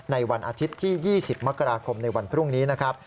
ในวันอาทิตย์ที่๒๐มกราคมในวันพรุ่งนี้นะครับ